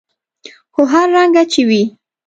خو هر رنګه چې وي.